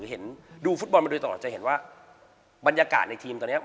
ก็จะเห็นว่าบรรยากาศในทีมตอนเนี๊ยะ